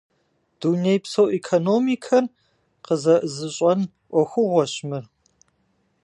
Дунейпсо экономикэр къызэӀызыщӀэн Ӏуэхугъуэщ мыр.